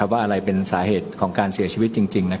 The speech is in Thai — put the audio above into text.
ว่าอะไรเป็นสาเหตุของการเสียชีวิตจริง